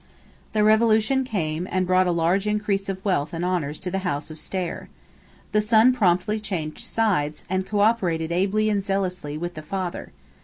The Revolution came, and brought a large increase of wealth and honours to the House of Stair. The son promptly changed sides, and cooperated ably and zealously with the father.